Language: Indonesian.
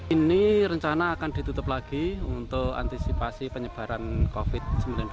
ini rencana akan ditutup lagi untuk antisipasi penyebaran covid sembilan belas